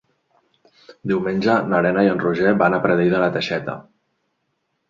Diumenge na Lena i en Roger van a Pradell de la Teixeta.